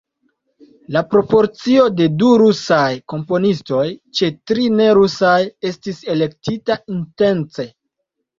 La proporcio de du rusaj komponistoj ĉe tri ne-rusaj estis elektita intence.